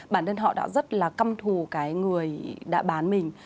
bản thân họ đã rất là căm thù cái người đã bán mình